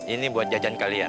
ini buat jajan kalian